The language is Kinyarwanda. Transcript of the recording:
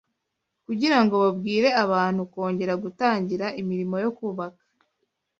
kugira ngo babwire abantu kongera gutangira imirimo yo kubaka